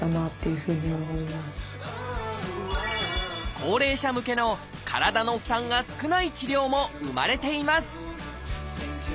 高齢者向けの体の負担が少ない治療も生まれています